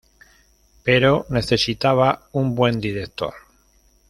Pero necesitaba un buen director.